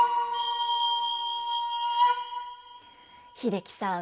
英樹さん